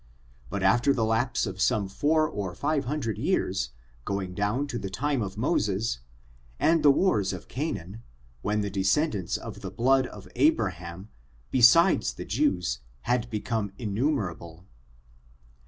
But after the lapse of some four or five hundred years, going down to the time of Moses, and the wars of Canaan, then these descendants of the blood of Abraham, besides the Jews, had become innumerable.